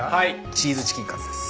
チーズチキンカツです。